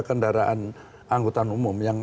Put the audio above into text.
kendaraan anggota umum yang